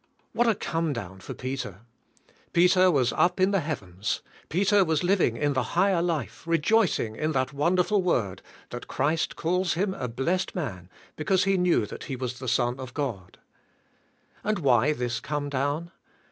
What a come down for Peter. Peter was up in the heavens. Peter was living in the higher life, re joicing in that wonderful word, that Christ calls him a blessed man because he knew that He was the Son of God. And why this come down?